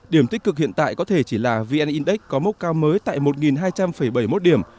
điểm tích cực hiện tại có thể chỉ là vn index có mốc cao mới tại một hai trăm bảy mươi một điểm